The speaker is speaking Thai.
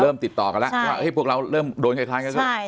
เริ่มติดต่อกันแล้วให้พวกเราเริ่มโดนไขทางกัน